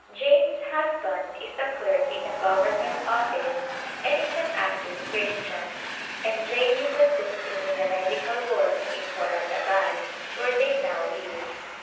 Jane's husband is a clerk in a government office and is an active Christian, and Jane is assisting in the medical work in Moradabad where they now live.